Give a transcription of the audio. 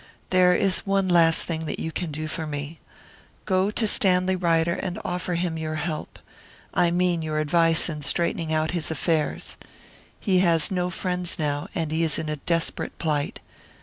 There is one last thing that you can do for me. Go to Stanley Ryder and offer him your help I mean your advice in straightening out his affairs. He has no friends now, and he is in a desperate plight.